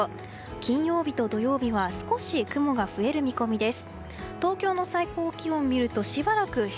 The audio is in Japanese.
金曜日と土曜日は少し雲が増える見込みです。